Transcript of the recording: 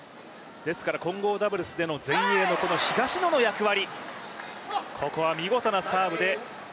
混合ダブルスでの前衛の東野の役割。